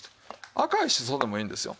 赤いしそでもいいんですよ。